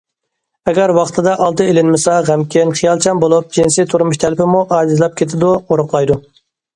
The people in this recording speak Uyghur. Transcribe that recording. ئەگەر ۋاقتىدا ئالدى ئېلىنمىسا غەمكىن، خىيالچان بولۇپ، جىنسىي تۇرمۇش تەلىپىمۇ ئاجىزلاپ كېتىدۇ، ئورۇقلايدۇ.